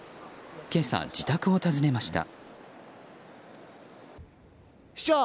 今朝、自宅を訪ねました。